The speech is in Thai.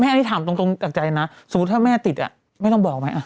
อันนี้ถามตรงจากใจนะสมมุติถ้าแม่ติดแม่ต้องบอกไหม